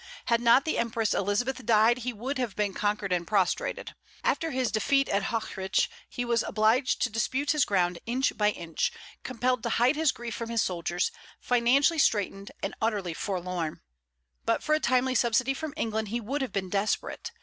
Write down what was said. Had not the Empress Elizabeth died, he would have been conquered and prostrated. After his defeat at Hochkirch, he was obliged to dispute his ground inch by inch, compelled to hide his grief from his soldiers, financially straitened and utterly forlorn; but for a timely subsidy from England he would have been desperate.